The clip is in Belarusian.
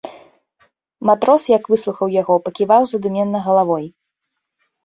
Матрос, як выслухаў яго, паківаў задуменна галавой.